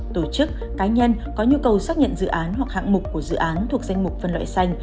tổ chức cá nhân có nhu cầu xác nhận dự án hoặc hạng mục của dự án thuộc danh mục phân loại xanh